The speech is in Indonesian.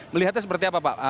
melihatnya seperti apa pak